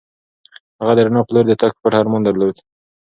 هغه د رڼا په لور د تګ پټ ارمان درلود.